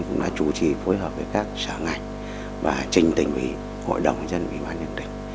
cũng đã chủ trì phối hợp với các sở ngành và trình tỉnh ủy hội đồng nhân dân ủy ban nhân tỉnh